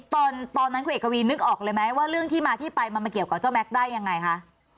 ตอนนั้นคุณเอกวีนึกออกเลยไหมว่าเรื่องที่มาที่ไปมันมาเกี่ยวกับเจ้าแม็กซ์ได้ยังไงคะ